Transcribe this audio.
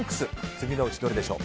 次のうちどれでしょう。